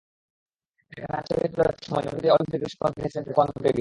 এখন আর্চারিতে হলেও একটা সময় নেমাতি অলিম্পিকের স্বপ্ন দেখেছিলেন তায়কোয়ান্দোকে ঘিরে।